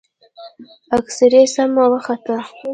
اكسرې سمه وخته.